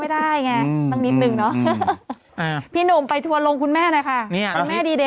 ไม่ได้ไงตั้งนิดหนึ่งเนาะพี่หนุ่มไปทัวร์ลงคุณแม่นะคะ